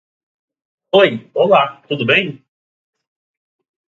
Oi, olá. Tudo bem.